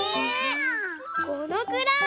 このくらい？